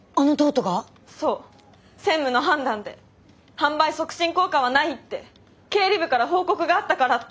販売促進効果はないって経理部から報告があったからって。